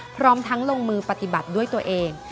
พร้อมทั้งลงมือปฏิบัติด้วยตัวเอง